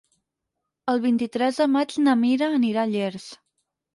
El vint-i-tres de maig na Mira anirà a Llers.